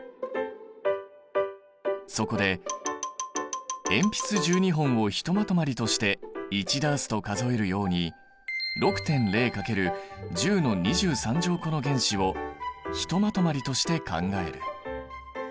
そこで鉛筆１２本をひとまとまりとして１ダースと数えるように６．０×１０の２３乗個の原子をひとまとまりとして考える。